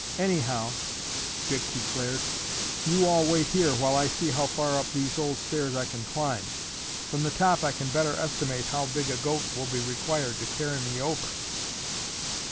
"Anyhow," Dick declared, "you all wait here while I see how far up these old stairs I can climb. From the top I can better estimate how big a goat will be required to carry me over."